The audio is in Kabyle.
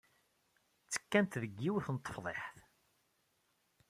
Ttekkant deg yiwet n tefḍiḥt.